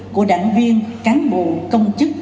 của đảng viên cán bộ công chức